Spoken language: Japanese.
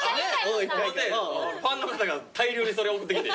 ほんでファンの方が大量にそれ送ってきて。